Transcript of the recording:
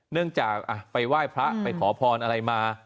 เนื่องจากไปไหว้พระไปขอพรอะไรมา